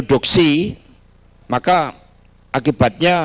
indian running industrie jangan ihan beneficiat per ouchar kau pakai ayah terentesi lebih banyak